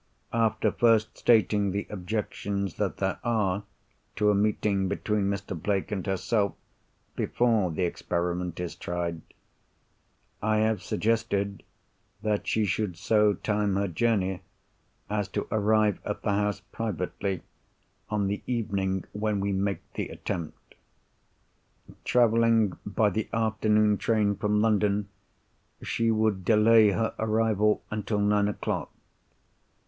After first stating the objections that there are to a meeting between Mr. Blake and herself, before the experiment is tried, I have suggested that she should so time her journey as to arrive at the house privately, on the evening when we make the attempt. Travelling by the afternoon train from London, she would delay her arrival until nine o'clock.